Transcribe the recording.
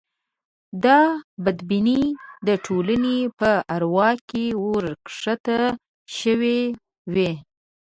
دا بدبینۍ د ټولنې په اروا کې ورکښته شوې وې.